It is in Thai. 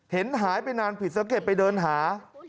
เห็นหายไปนานผิดสังเกตไปเดินหา